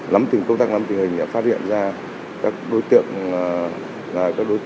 lắm tình công tác lắm tình hình đã phát hiện ra các đối tượng